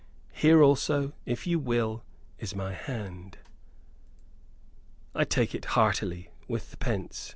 Here also, if you will, is my hand." "I take it heartily, with the pence!"